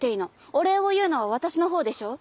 お礼を言うのは私の方でしょう。